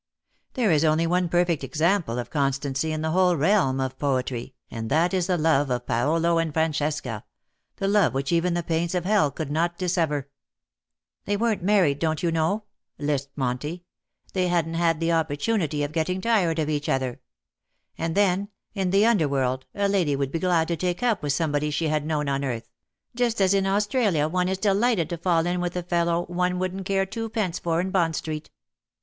There is only one perfect example of constancy in the whole realm of poetry,, and that is the love of Paolo and Francesca, the love which even the pains of hell could not dissever.^^ " They weren't married, don^t you know,^ * lisped Monty. ^' They hadn^t had the opportunity of getting tired of each other. And then, in the under world, a lady would be glad to take up with some body she had known on earth : just as in Australia one is delighted to fall in with a fellow one wouldn^t care twopence for in Bond Street.